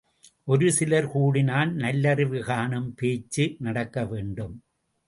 ஒருசிலர் கூடினால் நல்லறிவு காணும் பேச்சு நடக்கவேண்டும்.